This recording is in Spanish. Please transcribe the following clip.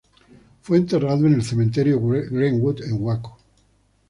Fue enterrado en el Cementerio Greenwood, en Waco.